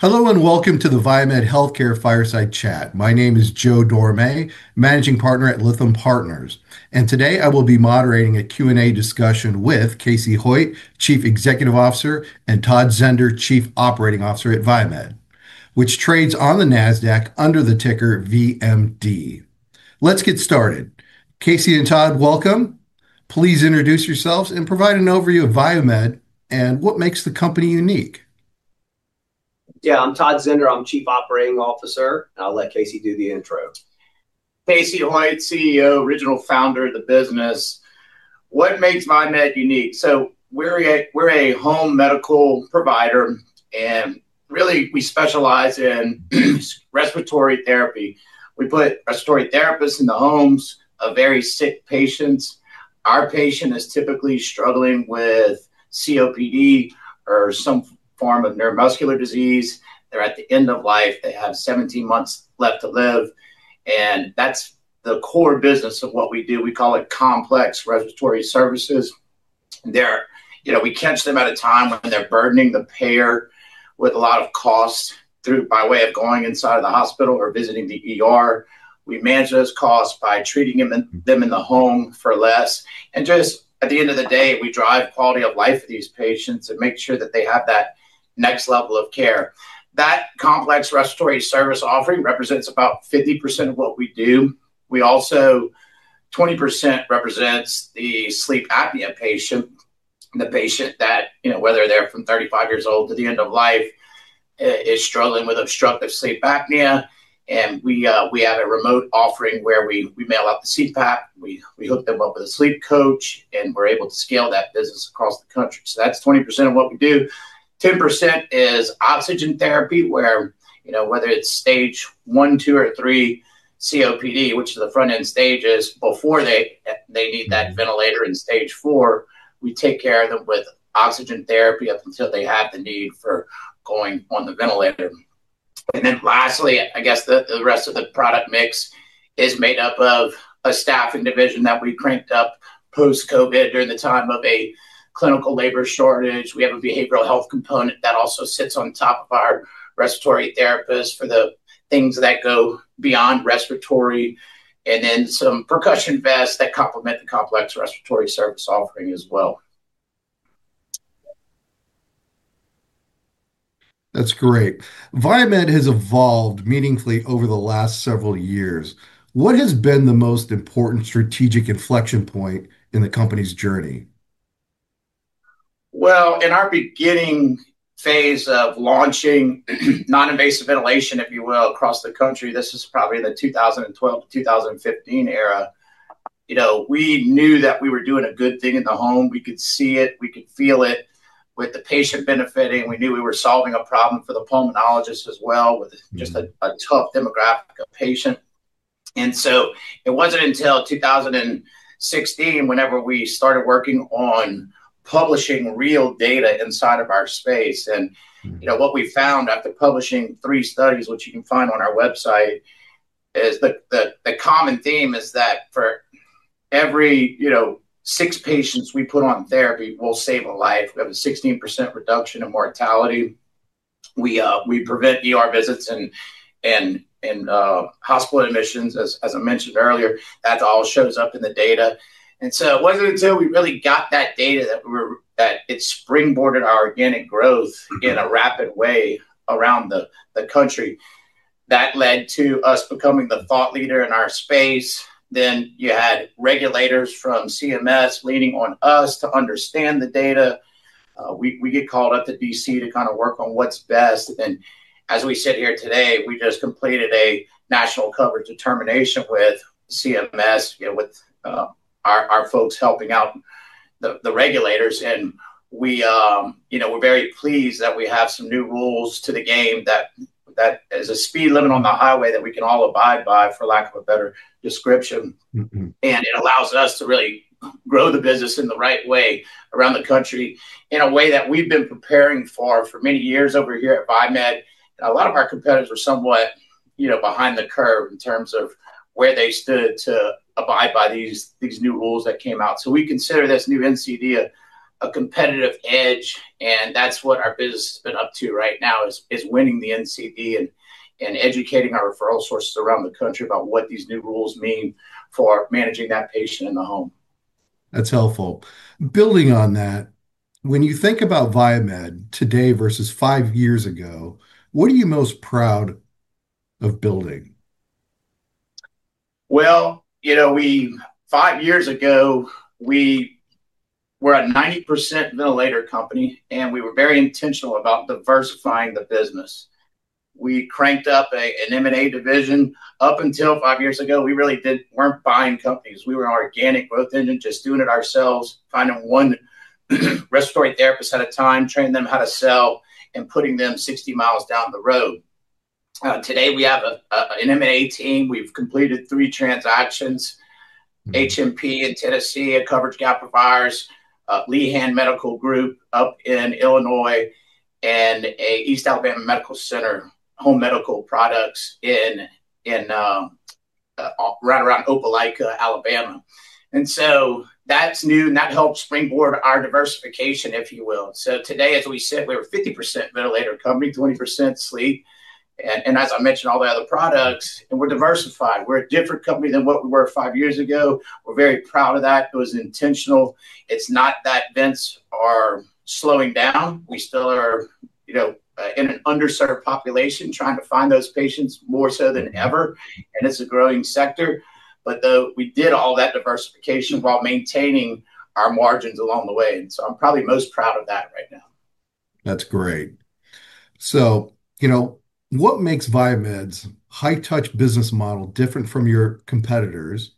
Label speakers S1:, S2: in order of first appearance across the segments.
S1: Hello and welcome to the VieMed Healthcare Fireside Chat. My name is Joe Dorame, Managing Partner at Lytham Partners, and today I will be moderating a Q&A discussion with Casey Hoyt, Chief Executive Officer, and Todd Zehnder, Chief Operating Officer at VieMed, which trades on the Nasdaq under the ticker VMD. Let's get started. Casey and Todd, welcome. Please introduce yourselves and provide an overview of VieMed and what makes the company unique.
S2: Yeah, I'm Todd Zehnder. I'm Chief Operating Officer. I'll let Casey do the intro.
S3: Casey Hoyt, CEO, original founder of the business. What makes VieMed unique? We're a home medical provider, and really we specialize in respiratory therapy. We put respiratory therapists in the homes of very sick patients. Our patient is typically struggling with COPD or some form of neuromuscular disease. They're at the end of life. They have 17 months left to live. That's the core business of what we do. We call it complex respiratory services. We catch them at a time when they're burdening the payer with a lot of costs by way of going inside of the hospital or visiting the ER. We manage those costs by treating them in the home for less. Just at the end of the day, we drive quality of life for these patients and make sure that they have that next level of care. That complex respiratory service offering represents about 50% of what we do. We also. 20% represents the Sleep Apnea patient, the patient that, you know, whether they're from 35 years old to the end of life, is struggling with obstructive Sleep Apnea, and we have a remote offering where we mail out the CPAP. We hook them up with a sleep coach, and we're able to scale that business across the country, so that's 20% of what we do. 10% is oxygen therapy, where, you know, whether it's Stage 1, 2, or 3 COPD, which are the front-end stages, before they need that ventilator in Stage 4 we take care of them with oxygen therapy up until they have the need for going on the ventilator. Lastly, I guess the rest of the product mix is made up of a staffing division that we cranked up post-COVID during the time of a clinical labor shortage. We have a behavioral health component that also sits on top of our respiratory therapists for the things that go beyond respiratory, and then some percussion vests that complement the complex respiratory service offering as well.
S1: That's great. VieMed has evolved meaningfully over the last several years. What has been the most important strategic inflection point in the company's journey?
S3: In our beginning phase of launching non-invasive ventilation, if you will, across the country, this is probably the 2012 to 2015 era, you know, we knew that we were doing a good thing in the home. We could see it. We could feel it with the patient benefiting. We knew we were solving a problem for the pulmonologist as well with just a tough demographic of patients. And so it wasn't until 2016 whenever we started working on publishing real data inside of our space. And, you know, what we found after publishing three studies, which you can find on our website, is the common theme is that for every, you know, six patients we put on therapy, we'll save a life. We have a 16% reduction in mortality. We prevent visits and hospital admissions, as I mentioned earlier. That all shows up in the data. And so it wasn't until we really got that data that it springboarded our organic growth in a rapid way around the country that led to us becoming the thought leader in our space. Then you had regulators from CMS leaning on us to understand the data. We get called up to DC to kind of work on what's best. And as we sit here today, we just completed a national coverage determination with CMS, you know, with our folks helping out the regulators. And we, you know, we're very pleased that we have some new rules to the game that is a speed limit on the highway that we can all abide by, for lack of a better description. And it allows us to really grow the business in the right way around the country in a way that we've been preparing for for many years over here at VieMed. A lot of our competitors were somewhat, you know, behind the curve in terms of where they stood to abide by these new rules that came out. So we consider this new NCD a competitive edge. And that's what our business has been up to right now, is winning the NCD and educating our referral sources around the country about what these new rules mean for managing that patient in the home.
S1: That's helpful. Building on that, when you think about VieMed today versus five years ago, what are you most proud of building?
S3: You know, five years ago, we were a 90% ventilator company, and we were very intentional about diversifying the business. We cranked up an M&A division. Up until five years ago, we really weren't buying companies. We were an organic growth engine, just doing it ourselves, finding one respiratory therapist at a time, training them how to sell, and putting them 60 mi down the road. Today, we have an M&A team. We've completed three transactions: HMP in Tennessee, a coverage gap of ours, Lehan's Medical Equipment up in Illinois, and East Alabama Medical Center home medical products right around Opelika, Alabama. That's new, and that helped springboard our diversification, if you will. Today, as we sit, we were a 50% ventilator company, 20% Sleep. As I mentioned, all the other products, and we're diversified. We're a different company than what we were five years ago. We're very proud of that. It was intentional. It's not that vents are slowing down. We still are, you know, in an underserved population trying to find those patients more so than ever. And it's a growing sector. But we did all that diversification while maintaining our margins along the way. And so I'm probably most proud of that right now.
S1: That's great. So, you know, what makes VieMed's high-touch business model different from your competitors,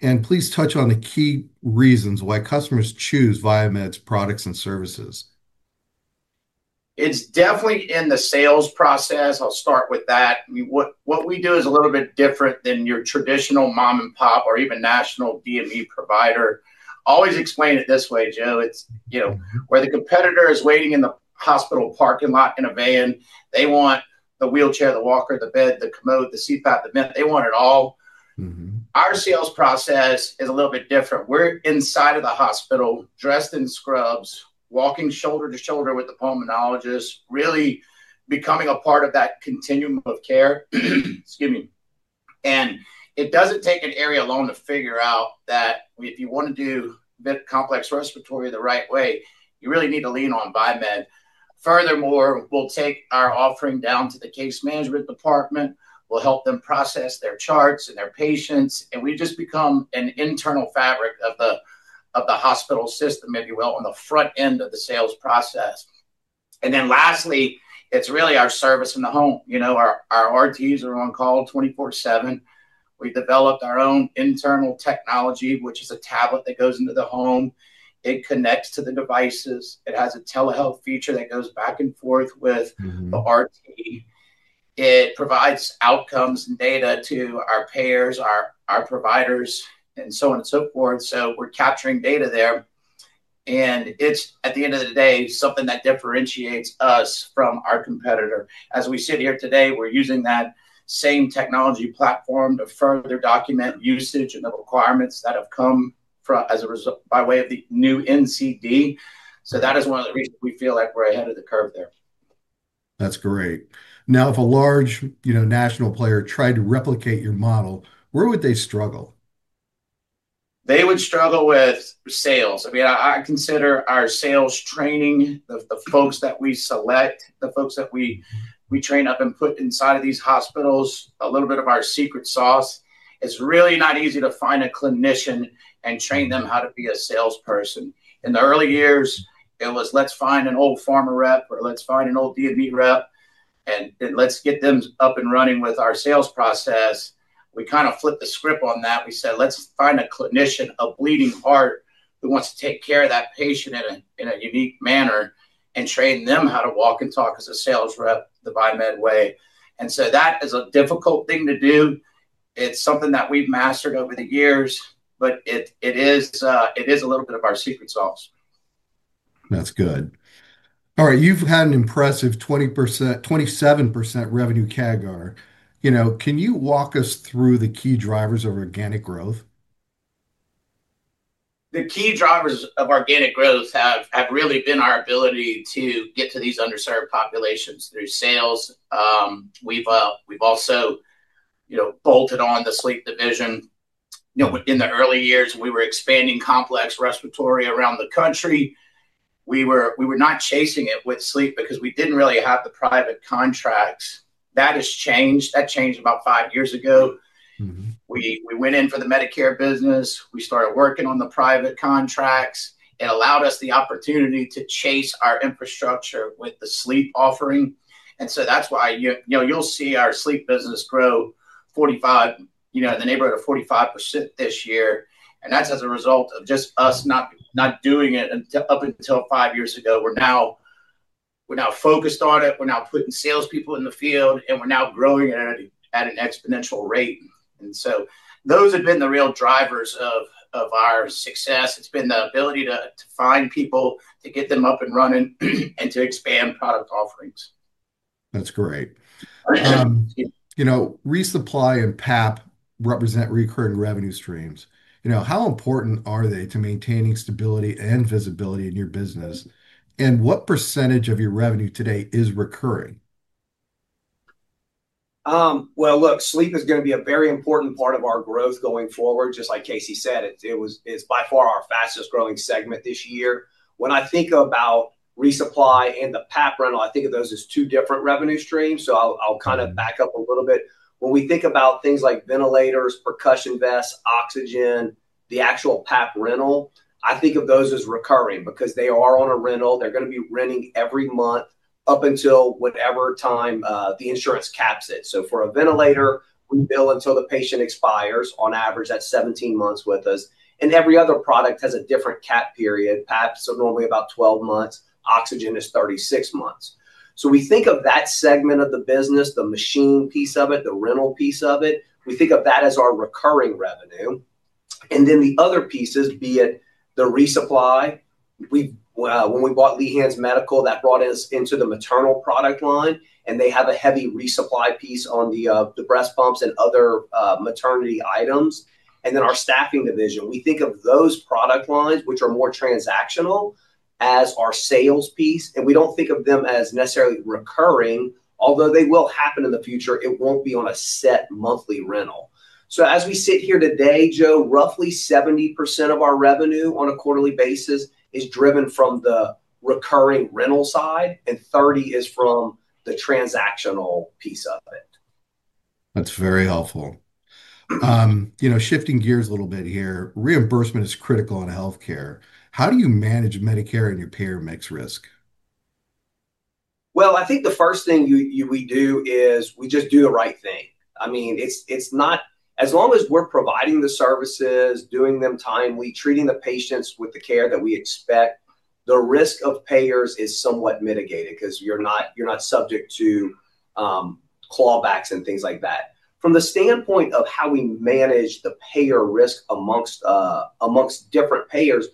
S1: and please touch on the key reasons why customers choose VieMed's products and services?
S3: It's definitely in the sales process. I'll start with that. What we do is a little bit different than your traditional mom-and-pop or even national DME provider. I always explain it this way, Joe. It's, you know, where the competitor is waiting in the hospital parking lot in a van, they want the wheelchair, the walker, the bed, the commode, the CPAP, the med. They want it all. Our sales process is a little bit different. We're inside of the hospital, dressed in scrubs, walking shoulder to shoulder with the pulmonologist, really becoming a part of that continuum of care. Excuse me, and it doesn't take an area alone to figure out that if you want to do complex respiratory the right way, you really need to lean on VieMed. Furthermore, we'll take our offering down to the case management department. We'll help them process their charts and their patients. And we just become an internal fabric of the hospital system, if you will, on the front end of the sales process. And then lastly, it's really our service in the home. You know, our RTs are on call 24/7. We developed our own internal technology, which is a tablet that goes into the home. It connects to the devices. It has a telehealth feature that goes back and forth with the RT. It provides outcomes and data to our payers, our providers, and so on and so forth. So we're capturing data there. And it's, at the end of the day, something that differentiates us from our competitor. As we sit here today, we're using that same technology platform to further document usage and the requirements that have come by way of the new NCD. That is one of the reasons we feel like we're ahead of the curve there.
S1: That's great. Now, if a large, you know, national player tried to replicate your model, where would they struggle?
S3: They would struggle with sales. I mean, I consider our sales training, the folks that we select, the folks that we train up and put inside of these hospitals, a little bit of our secret sauce. It's really not easy to find a clinician and train them how to be a salesperson. In the early years, it was, let's find an old pharma rep or let's find an old DME rep and let's get them up and running with our sales process. We kind of flipped the script on that. We said, let's find a clinician, a bleeding heart who wants to take care of that patient in a unique manner and train them how to walk and talk as a sales rep the VieMed way, and so that is a difficult thing to do. It's something that we've mastered over the years, but it is a little bit of our secret sauce.
S1: That's good. All right. You've had an impressive 27% revenue CAGR. You know, can you walk us through the key drivers of organic growth?
S3: The key drivers of organic growth have really been our ability to get to these underserved populations through sales. We've also, you know, bolted on the Sleep division. You know, in the early years, we were expanding complex respiratory around the country. We were not chasing it with Sleep because we didn't really have the private contracts. That has changed. That changed about five years ago. We went in for the Medicare business. We started working on the private contracts. It allowed us the opportunity to chase our infrastructure with the Sleep offering. And so that's why, you know, you'll see our Sleep business grow, you know, in the neighborhood of 45% this year. And that's as a result of just us not doing it up until five years ago. We're now focused on it. We're now putting salespeople in the field, and we're now growing at an exponential rate. Those have been the real drivers of our success. It's been the ability to find people, to get them up and running, and to expand product offerings.
S1: That's great. You know, resupply and PAP represent recurring revenue streams. You know, how important are they to maintaining stability and visibility in your business? And what percentage of your revenue today is recurring?
S2: Look, Sleep is going to be a very important part of our growth going forward. Just like Casey said, it's by far our fastest growing segment this year. When I think about resupply and the PAP rental, I think of those as two different revenue streams. I'll kind of back up a little bit. When we think about things like ventilators, percussion vests, oxygen, the actual PAP rental, I think of those as recurring because they are on a rental. They're going to be renting every month up until whatever time the insurance caps it. For a ventilator, we bill until the patient expires on average at 17 months with us. Every other product has a different cap period. PAPs are normally about 12 months. Oxygen is 36 months. We think of that segment of the business, the machine piece of it, the rental piece of it. We think of that as our recurring revenue. And then the other pieces, be it the resupply, when we bought Lehan's Medical, that brought us into the maternal product line, and they have a heavy resupply piece on the breast pumps and other maternity items. And then our staffing division, we think of those product lines, which are more transactional, as our sales piece. And we don't think of them as necessarily recurring, although they will happen in the future. It won't be on a set monthly rental. So as we sit here today, Joe, roughly 70% of our revenue on a quarterly basis is driven from the recurring rental side, and 30% is from the transactional piece of it.
S1: That's very helpful. You know, shifting gears a little bit here, reimbursement is critical in healthcare. How do you manage Medicare and your payer mix risk?
S2: I think the first thing we do is we just do the right thing. I mean, it's not, as long as we're providing the services, doing them timely, treating the patients with the care that we expect, the risk of payers is somewhat mitigated because you're not subject to clawbacks and things like that. From the standpoint of how we manage the payer risk amongst different payers,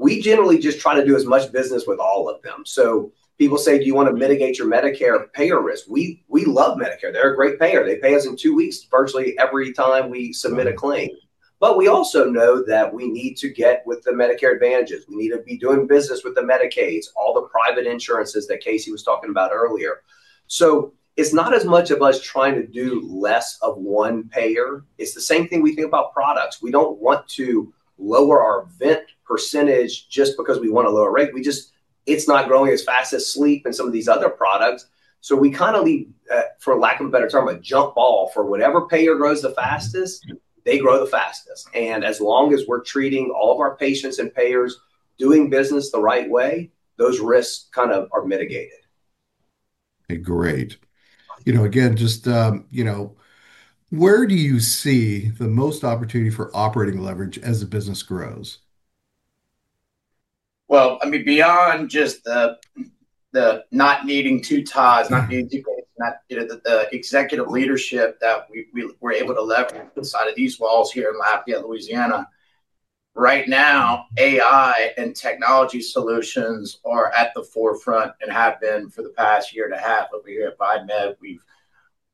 S2: we generally just try to do as much business with all of them. So people say, do you want to mitigate your Medicare payer risk? We love Medicare. They're a great payer. They pay us in two weeks, virtually every time we submit a claim. But we also know that we need to get with the Medicare Advantages. We need to be doing business with the Medicaids, all the private insurances that Casey was talking about earlier. So it's not as much of us trying to do less of one payer. It's the same thing we think about products. We don't want to lower our vent percentage just because we want a lower rate. We just, it's not growing as fast as Sleep and some of these other products. So we kind of leave, for lack of a better term, a jump ball for whatever payer grows the fastest. They grow the fastest. And as long as we're treating all of our patients and payers doing business the right way, those risks kind of are mitigated.
S1: Great. You know, again, just, you know, where do you see the most opportunity for operating leverage as the business grows?
S3: Well, I mean, beyond just the not needing two ties, not needing two gates, the executive leadership that we're able to leverage inside of these walls here in Lafayette, Louisiana. Right now, AI and technology solutions are at the forefront and have been for the past year and a half over here at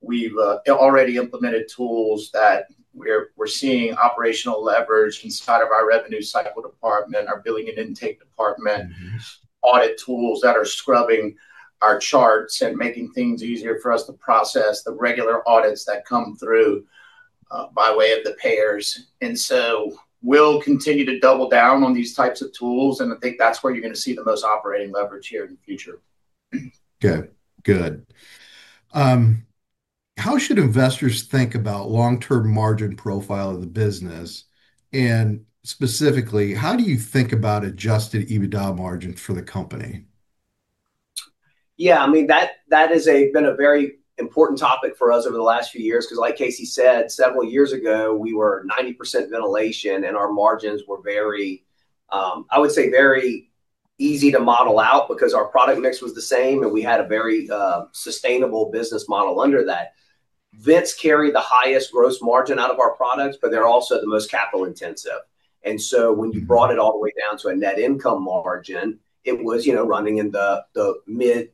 S3: VieMed. We've already implemented tools that we're seeing operational leverage inside of our revenue cycle department, our billing and intake department, audit tools that are scrubbing our charts and making things easier for us to process the regular audits that come through by way of the payers. And so we'll continue to double down on these types of tools. And I think that's where you're going to see the most operating leverage here in the future.
S1: Good. Good. How should investors think about long-term margin profile of the business? And specifically, how do you think about adjusted EBITDA margin for the company?
S2: Yeah. I mean, that has been a very important topic for us over the last few years because, like Casey said, several years ago, we were 90% ventilation and our margins were very, I would say, very easy to model out because our product mix was the same and we had a very sustainable business model under that. Vents carry the highest gross margin out of our products, but they're also the most capital intensive. And so when you brought it all the way down to a net income margin, it was, you know, running in the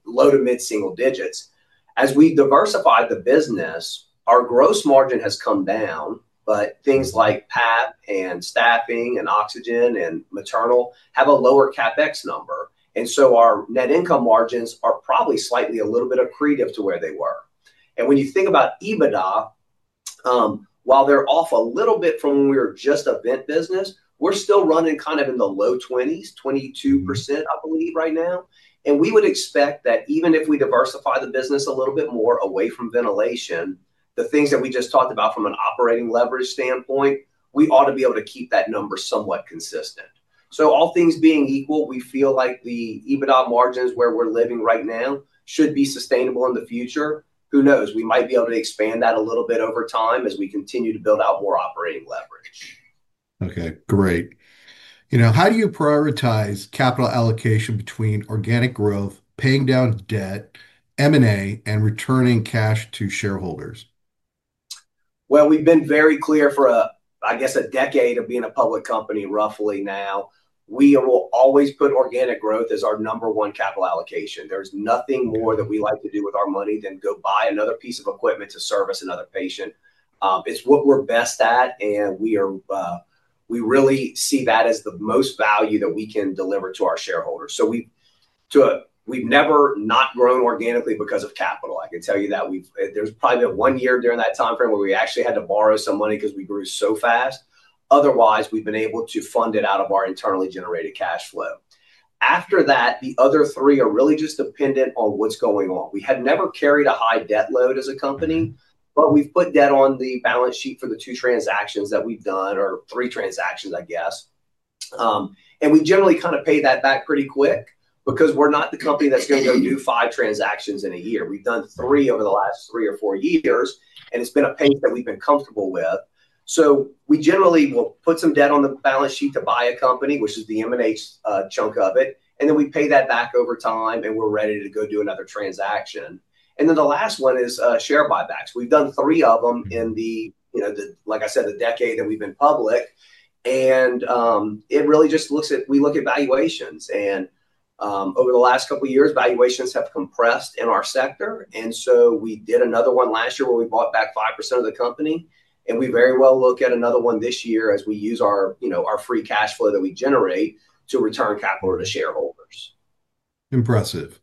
S2: low to mid single digits. As we've diversified the business, our gross margin has come down, but things like PAP and staffing and oxygen and maternal have a lower CapEx number. And so our net income margins are probably slightly a little bit accretive to where they were. And when you think about EBITDA, while they're off a little bit from when we were just a vent business, we're still running kind of in the low 20s, 22%, I believe, right now. And we would expect that even if we diversify the business a little bit more away from ventilation, the things that we just talked about from an operating leverage standpoint, we ought to be able to keep that number somewhat consistent. So all things being equal, we feel like the EBITDA margins where we're living right now should be sustainable in the future. Who knows? We might be able to expand that a little bit over time as we continue to build out more operating leverage.
S1: Okay. Great. You know, how do you prioritize capital allocation between organic growth, paying down debt, M&A, and returning cash to shareholders?
S2: We've been very clear for, I guess, a decade of being a public company roughly now. We will always put organic growth as our number one capital allocation. There's nothing more that we like to do with our money than go buy another piece of equipment to service another patient. It's what we're best at. We really see that as the most value that we can deliver to our shareholders. We've never not grown organically because of capital. I can tell you that there's probably been one year during that timeframe where we actually had to borrow some money because we grew so fast. Otherwise, we've been able to fund it out of our internally generated cash flow. After that, the other three are really just dependent on what's going on. We had never carried a high debt load as a company, but we've put debt on the balance sheet for the two transactions that we've done or three transactions, I guess. And we generally kind of pay that back pretty quick because we're not the company that's going to go do five transactions in a year. We've done three over the last three or four years, and it's been a pace that we've been comfortable with. So we generally will put some debt on the balance sheet to buy a company, which is the M&A chunk of it. And then we pay that back over time and we're ready to go do another transaction. And then the last one is share buybacks. We've done three of them in the, you know, like I said, the decade that we've been public. And it really just looks at, we look at valuations. Over the last couple of years, valuations have compressed in our sector. So we did another one last year where we bought back 5% of the company. We may very well look at another one this year as we use our, you know, our free cash flow that we generate to return capital to shareholders.
S1: Impressive.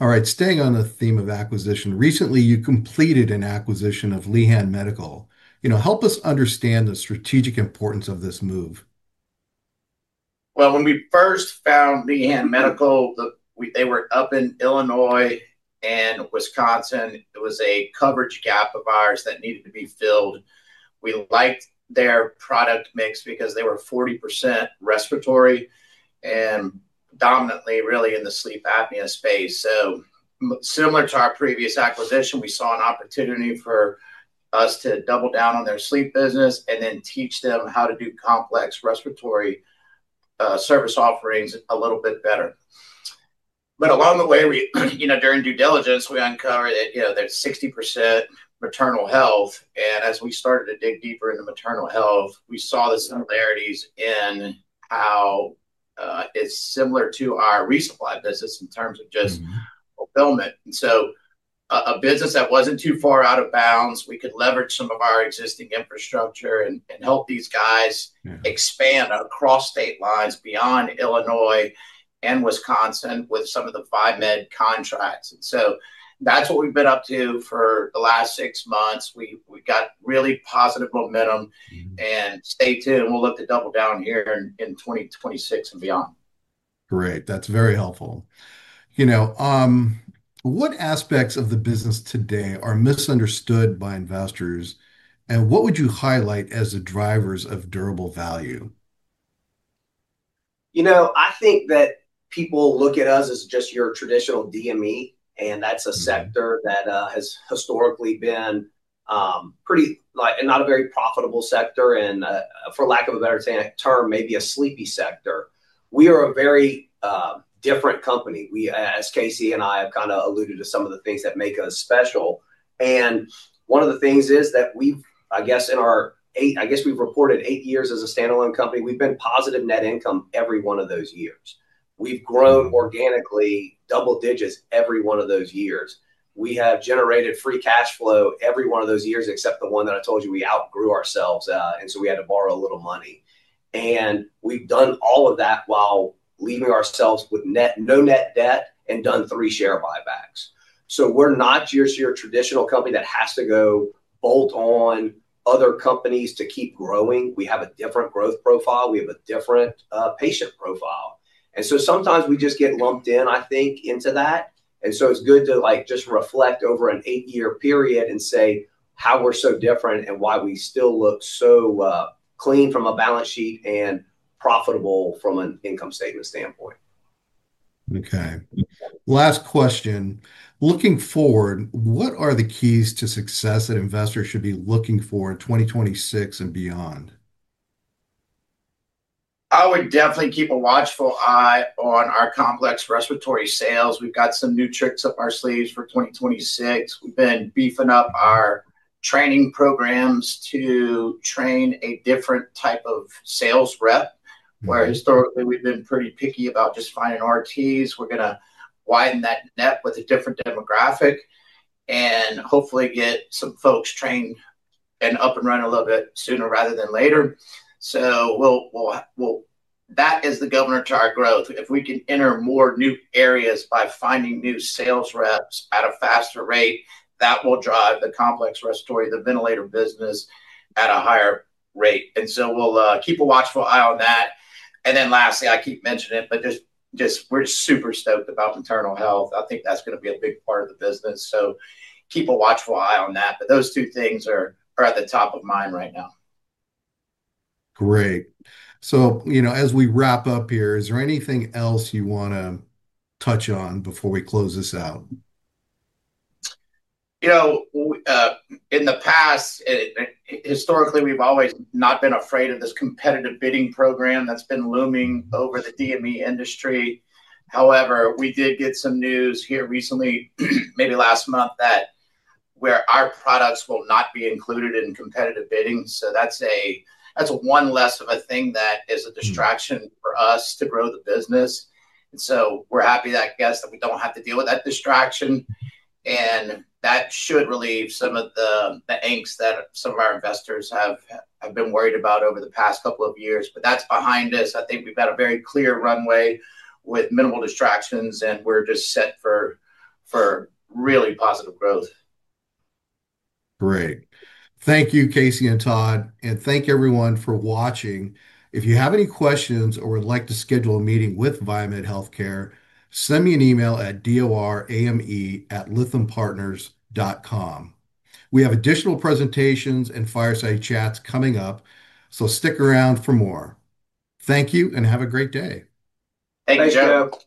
S1: All right. Staying on the theme of acquisition, recently you completed an acquisition of Lehan's Medical Equipment. You know, help us understand the strategic importance of this move.
S2: When we first found Lehan Medical, they were up in Illinois and Wisconsin. It was a coverage gap of ours that needed to be filled. We liked their product mix because they were 40% respiratory and dominantly really in the Sleep Apnea space. Similar to our previous acquisition, we saw an opportunity for us to double down on their Sleep business and then teach them how to do complex respiratory service offerings a little bit better. Along the way, you know, during due diligence, we uncovered that, you know, there's 60% maternal health. And as we started to dig deeper into maternal health, we saw the similarities in how it's similar to our resupply business in terms of just fulfillment. A business that wasn't too far out of bounds, we could leverage some of our existing infrastructure and help these guys expand across state lines beyond Illinois and Wisconsin with some of the VieMed contracts. That's what we've been up to for the last six months. We've got really positive momentum. Stay tuned. We'll look to double down here in 2026 and beyond.
S1: Great. That's very helpful. You know, what aspects of the business today are misunderstood by investors? And what would you highlight as the drivers of durable value?
S2: You know, I think that people look at us as just your traditional DME, and that's a sector that has historically been pretty not a very profitable sector and, for lack of a better term, maybe a sleepy sector. We are a very different company. We, as Casey and I have kind of alluded to some of the things that make us special. And one of the things is that we've, I guess, in our, I guess we've reported eight years as a standalone company. We've been positive net income every one of those years. We've grown organically double digits every one of those years. We have generated free cash flow every one of those years, except the one that I told you we outgrew ourselves. And so we had to borrow a little money. And we've done all of that while leaving ourselves with no net debt and done three share buybacks. So we're not just your traditional company that has to go bolt on other companies to keep growing. We have a different growth profile. We have a different patient profile. And so sometimes we just get lumped in, I think, into that. And so it's good to, like, just reflect over an eight-year period and say how we're so different and why we still look so clean from a balance sheet and profitable from an income statement standpoint.
S1: Okay. Last question. Looking forward, what are the keys to success that investors should be looking for in 2026 and beyond?
S2: I would definitely keep a watchful eye on our complex respiratory sales. We've got some new tricks up our sleeves for 2026. We've been beefing up our training programs to train a different type of sales rep, where historically we've been pretty picky about just finding RTs. We're going to widen that net with a different demographic and hopefully get some folks trained and up and running a little bit sooner rather than later. So that is the governor to our growth. If we can enter more new areas by finding new sales reps at a faster rate, that will drive the complex respiratory, the ventilator business at a higher rate. And so we'll keep a watchful eye on that. And then lastly, I keep mentioning it, but just we're super stoked about maternal health. I think that's going to be a big part of the business. So keep a watchful eye on that. But those two things are at the top of mind right now.
S1: Great. So, you know, as we wrap up here, is there anything else you want to touch on before we close this out?
S3: You know, in the past, historically, we've always not been afraid of this competitive bidding program that's been looming over the DME industry. However, we did get some news here recently, maybe last month, that where our products will not be included in competitive bidding. So that's one less of a thing that is a distraction for us to grow the business. And so we're happy that, I guess, that we don't have to deal with that distraction. And that should relieve some of the angst that some of our investors have been worried about over the past couple of years. But that's behind us. I think we've got a very clear runway with minimal distractions, and we're just set for really positive growth.
S1: Great. Thank you, Casey and Todd. And thank everyone for watching. If you have any questions or would like to schedule a meeting with VieMed Healthcare, send me an email at dorame@lythampartners.com. We have additional presentations and fireside chats coming up, so stick around for more. Thank you and have a great day.
S3: Thank you, Joe.